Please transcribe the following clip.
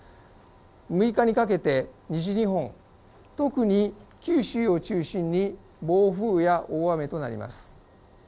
６日にかけて西日本、特に九州を中心に暴風や大雨となります。